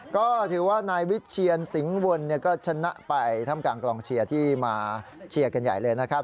ก็ถือว่านายวิเชียนสิงหวนก็ชนะไปถ้ำกลางกลองเชียร์ที่มาเชียร์กันใหญ่เลยนะครับ